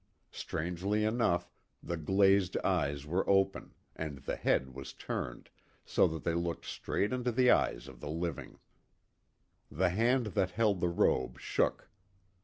Strangely enough, the glazed eyes were open, and the head was turned, so that they looked straight into the eyes of the living. The hand that held the robe shook.